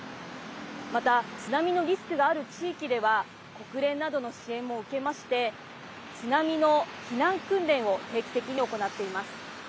また津波のリスクがある地域では国連などの支援も受けまして津波の避難訓練を定期的に行っています。